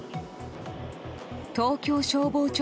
東京消防庁